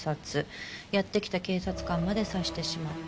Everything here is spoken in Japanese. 「やって来た警察官まで刺してしまった」